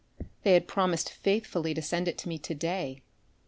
They had promised faithfully to send it me to day.